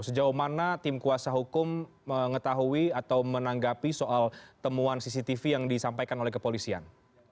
sejauh mana tim kuasa hukum mengetahui atau menanggapi soal temuan cctv yang disampaikan oleh kepolisian